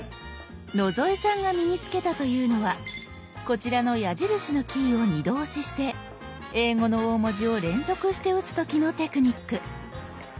野添さんが身に付けたというのはこちらの矢印のキーを二度押しして英語の大文字を連続して打つ時のテクニック。